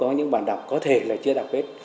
có những bạn đọc có thể là chưa đọc hết